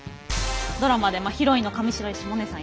ドラマでヒロインの上白石萌音さん